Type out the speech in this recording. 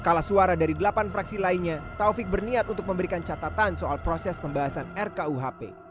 kala suara dari delapan fraksi lainnya taufik berniat untuk memberikan catatan soal proses pembahasan rkuhp